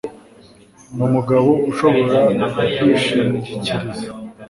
Ni umugabo ushobora kwishingikiriza